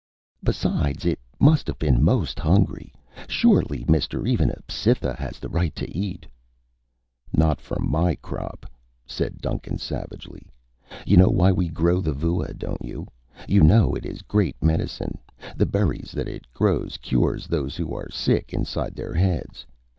"Besides, it must have been most hungry. Surely, mister, even a Cytha has the right to eat." "Not from my crop," said Duncan savagely. "You know why we grow the vua, don't you? You know it is great medicine. The berries that it grows cures those who are sick inside their heads.